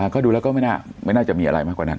ก็ดูแล้วก็ไม่น่าจะมีอะไรมากกว่านั้น